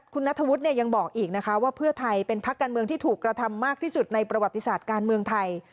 คุณนัฐวุธยังบอกหัวไทยเป็นภาคการเมืองที่ถูกกระทำมากที่สุดในประวัติศาสตร์การเมืองไทย